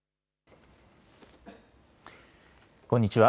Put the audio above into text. こんにちは。